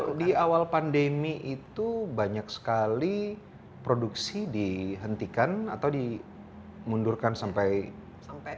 kalau di awal pandemi itu banyak sekali produksi dihentikan atau dimundurkan sampai